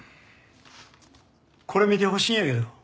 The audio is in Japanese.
これ見てほしいんやけど。